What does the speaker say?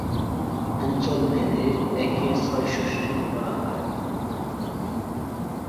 অঞ্চলভেদে একে ছয়ষষ্ঠীও বলা হয়।